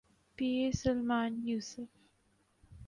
Pir Salman Yusuf.